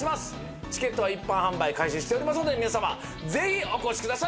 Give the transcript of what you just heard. チケットは一般販売開始しておりますので皆さまぜひお越しください。